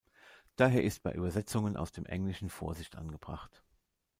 Daher ist bei Übersetzungen aus dem Englischen Vorsicht angebracht.